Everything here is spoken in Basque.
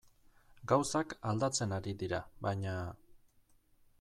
Gauzak aldatzen ari dira, baina...